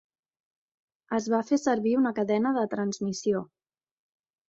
Es va fer servir una cadena de transmissió.